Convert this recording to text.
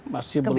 masih belum tahu